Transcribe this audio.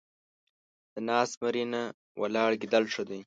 د ناست زمري نه ، ولاړ ګيدړ ښه دی.